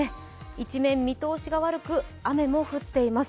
一面見通しが悪く雨も降っています。